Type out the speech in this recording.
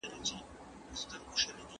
هر اندام یې د ښکلا په تول تللی